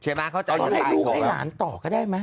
เอาให้ลูกให้หลานต่อกันได้ไหม